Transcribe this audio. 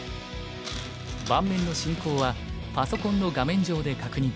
盤面の進行はパソコンの画面上で確認。